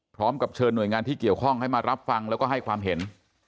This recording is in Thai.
พร้อมกับเชิญหน่วยงานที่เกี่ยวข้องให้มารับฟังแล้วก็ให้ความเห็น